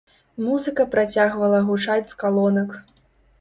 Музыка працягвала гучаць з калонак.